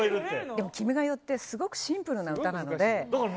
でも「君が代」ってすごくシンプルな歌なので。